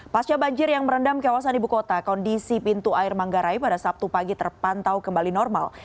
pasca banjir yang merendam kawasan ibu kota kondisi pintu air manggarai pada sabtu pagi terpantau kembali normal